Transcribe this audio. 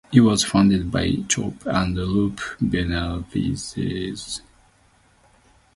It was founded by Chope and Lupe Benavidez.